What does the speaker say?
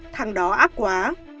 thằng đó ác quá